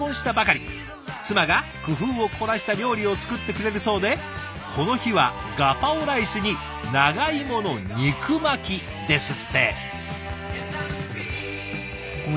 妻が工夫を凝らした料理を作ってくれるそうでこの日はガパオライスに長芋の肉巻きですって。